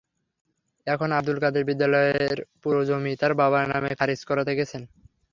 এখন আবদুল কাদের বিদ্যালয়ের পুরো জমি তাঁর বাবার নামে খারিজ করাতে গেছেন।